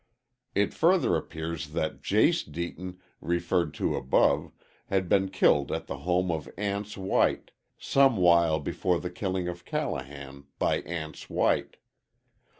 It further appears that Jase Deaton referred to above had been killed at the home of Anse White, some while before the killing of Callahan, by Anse White.